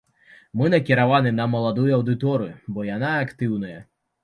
Мы накіраваны на маладую аўдыторыю, бо яна актыўная.